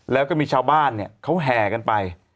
แล้วก็มีชาวบ้านเนี่ยเขาแห่กันไป